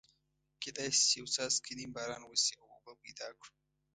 کېدای شي یو څاڅکی نیم باران وشي او اوبه پیدا کړو.